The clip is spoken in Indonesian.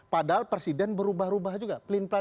padahal presiden berubah ubah juga